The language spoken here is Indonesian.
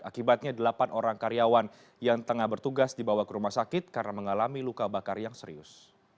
akibatnya delapan orang karyawan yang tengah bertugas dibawa ke rumah sakit karena mengalami luka bakar yang serius